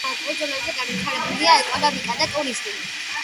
კუნძულებზე განვითარებულია ეკონომიკა და ტურიზმი.